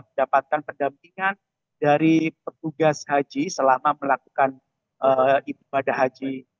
mendapatkan pendampingan dari petugas haji selama melakukan ibadah haji